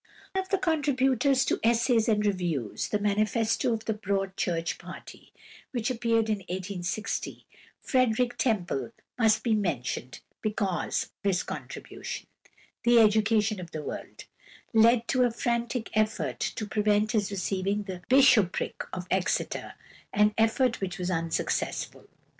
Of the contributors to "Essays and Reviews," the manifesto of the Broad Church party, which appeared in 1860, Frederick Temple must be mentioned, because his contribution, "The Education of the World," led to a frantic effort to prevent his receiving the bishopric of Exeter, an effort which was unsuccessful.